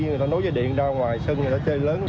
người ta nối dây điện ra ngoài sân người ta chơi lớn